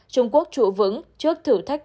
trung quốc trụ vững trước thử thách